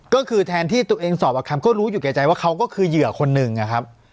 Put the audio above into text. ก็คือแทนที่ตัวเองสอบอาคัมก็รู้อยู่แก่ใจว่าเขาก็คือเหยื่อคนหนึ่งนะครับ